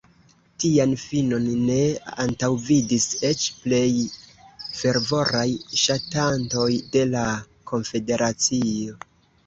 Tian finon ne antaŭvidis eĉ plej fervoraj ŝatantoj de la konfederacio.